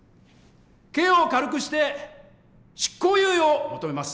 刑を軽くして執行猶予を求めます。